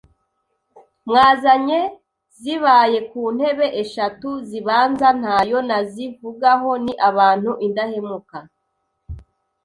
mwazanye zibaye ku ntebe eshatu zibanza nta yo nazivugaho ni abantu ’indahemuka